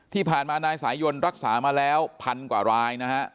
ที่ผ่านมานายสายยนรักษามาแล้วพันกว่ารายนะฮะ